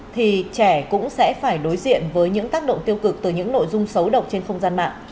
thì trẻ cũng sẽ phải đối diện với những tác động tiêu cực từ những nội dung xấu độc trên không gian mạng